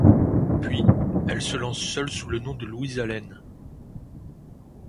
Puis, elle se lance seule sous le nom de Louise Allen.